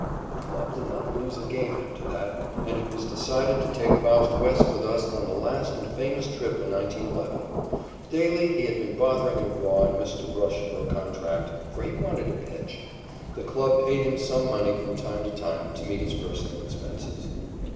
The club did not lose a game after that, and it was decided to take Faust West with us on the last and famous trip in 1911. Daily he had been bothering McGraw and Mr. Brush for his contract, for he wanted to pitch. The club paid him some money from time to time to meet his personal expenses.